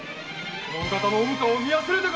この方のお顔を見忘れたか？